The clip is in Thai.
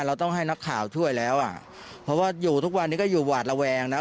เราต้องให้นักข่าวช่วยแล้วอ่ะเพราะว่าอยู่ทุกวันนี้ก็อยู่หวาดระแวงนะ